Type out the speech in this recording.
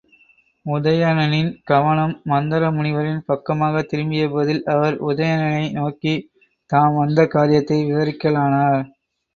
உதயணனின் கவனம் மந்தர முனிவரின் பக்கமாகத் திரும்பிய போதில், அவர் உதயணனை நோக்கித் தாம் வந்த காரியத்தை விவரிக்கலானார்.